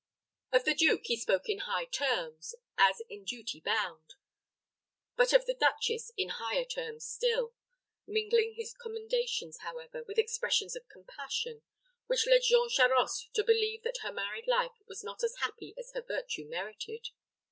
Of the duke he spoke in high terms, as in duty bound, but of the duchess in higher terms still; mingling his commendations, however, with expressions of compassion, which led Jean Charost to believe that her married life was not as happy as her virtue merited.